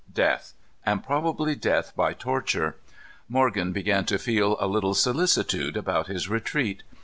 Death; and probably death by torture. Morgan began to feel a little solicitude about his retreat.